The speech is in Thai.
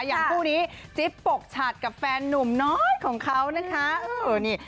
อย่างคู่นี้จิ๊บปกฉัดกับแฟนนุ่มน้อยของเขานะคะ